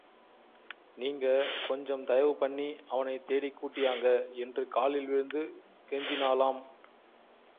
நீங்க கொஞ்சம் தயவு பண்ணி அவனைத் தேடிக் கூட்டியாங்க. என்று காலில் விழுந்து கெஞ்சினாளாம்.